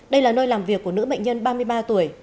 đây là nơi làm việc của nữ bệnh nhân ba mươi ba tuổi